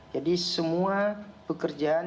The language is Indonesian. jadi semua pekerjaan